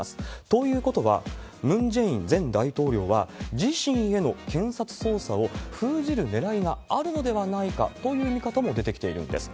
ということは、ムン・ジェイン前大統領は、自身への検察捜査を封じるねらいがあるのではないかという見方も出てきているんです。